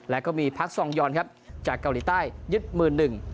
แล้วก็มีพักซองยอนครับจากเกาหลีใต้ยึดมือหนึ่ง